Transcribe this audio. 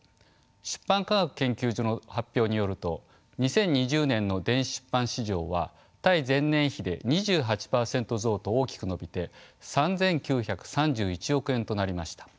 出版科学研究所の発表によると２０２０年の電子出版市場は対前年比で２８パーセント増と大きく伸びて３，９３１億円となりました。